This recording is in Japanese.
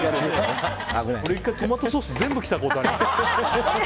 俺１回トマトソース全部来たことあります。